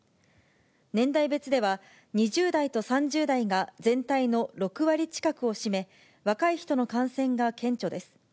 年代別では、２０代と３０代が全体の６割近くを占め、若い人の感染が顕著です。